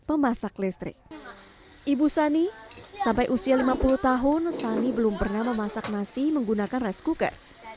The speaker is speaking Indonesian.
memasak listrik ibu sani sampai usia lima puluh tahun sani belum pernah memasak nasi menggunakan rice cooker